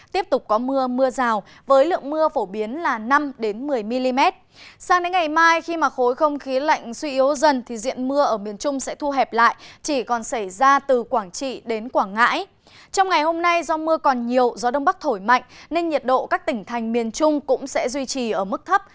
trong ngày hôm nay do mưa còn nhiều gió đông bắc thổi mạnh nên nhiệt độ các tỉnh thành miền trung cũng sẽ duy trì ở mức thấp